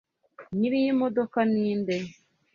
Nyiri iyi modoka ninde?